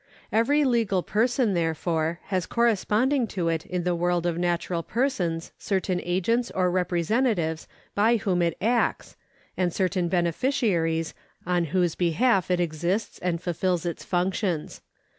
Every legal person, therefore, has corresponding to it in the world of natural persons certain agents or representatives by whom it acts, and certain beneficiaries on whose behalf it exists and fulfils its functions.